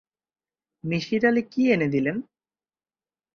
মিসির আলি কি এনে দিলেন?